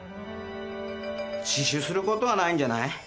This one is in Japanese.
自首することはないんじゃない？